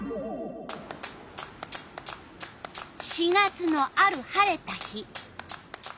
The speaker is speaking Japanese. ４月のある晴れた日。